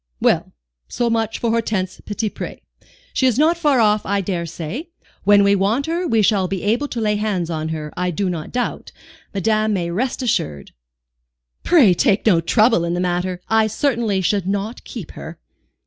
"Well, so much for Hortense Petitpré. She is not far off, I dare say. When we want her we shall be able to lay hands on her, I do not doubt, madame may rest assured." "Pray take no trouble in the matter. I certainly should not keep her."